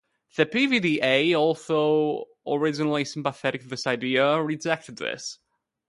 The PvdA, although originally sympathetic to the idea rejected this.